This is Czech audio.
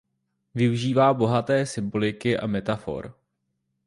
Využívá bohaté symboliky a metafor.